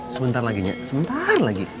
sebentar lagi nek sebentar lagi